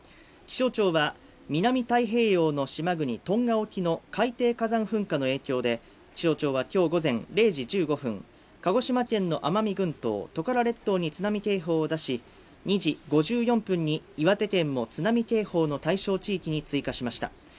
気象庁は、南太平洋の島国トンガ沖の海底火山噴火の影響で、気象庁は今日午前０時１５分、鹿児島県の奄美群島トカラ列島に津波警報を出し、２時５４分に岩手県も津波警報の対象地域に追加しました。